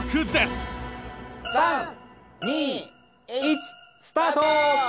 ３２１スタート！